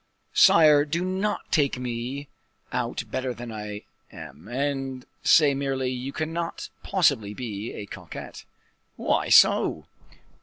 "Sire, do not make me out better than I am, and say merely, 'You cannot possibly be a coquette.'" "Why so?"